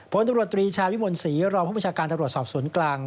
โปรดตำรวจตรีชาวิมนศรีรอพรุ่งบัญชาการตำรวจสอบสวนกลาง